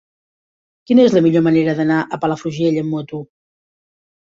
Quina és la millor manera d'anar a Palafrugell amb moto?